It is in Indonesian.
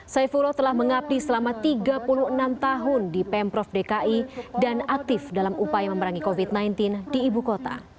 saifullah telah mengabdi selama tiga puluh enam tahun di pemprov dki dan aktif dalam upaya memerangi covid sembilan belas di ibu kota